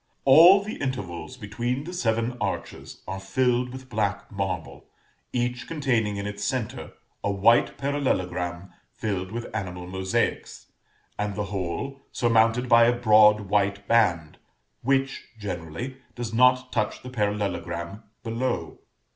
All the intervals between the seven arches are filled with black marble, each containing in its centre a white parallelogram filled with animal mosaics, and the whole surmounted by a broad white band, which, generally, does not touch the parallelogram below.